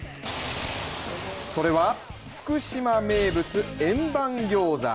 それは福島名物・円盤ギョーザ。